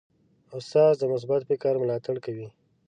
استاد د مثبت فکر ملاتړ کوي.